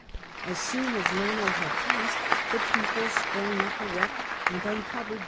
As sf)on as Lono had passed, the people sprang uj) erect and uiicovere*!